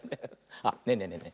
あっねえねえねえね